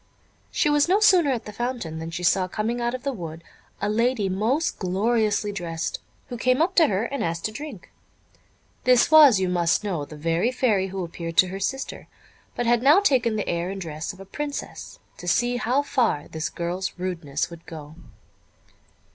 She was no sooner at the fountain, than she saw coming out of the wood a lady most gloriously dressed, who came up to her, and asked to drink. This was, you must know, the very Fairy who appeared to her sister, but had now taken the air and dress of a princess, to see how far this girl's rudeness would go.